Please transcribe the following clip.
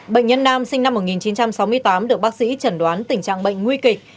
bệnh nhân nam sinh năm một nghìn chín trăm sáu mươi tám được bác sĩ chẩn đoán tình trạng bệnh nguy kịch